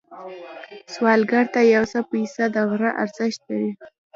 سوالګر ته یو پيسه د غره ارزښت لري